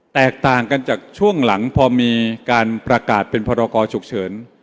แตกต่างกันจากช่วงหลังพอมีการประกาศเป็นพรกรฉุกเฉิน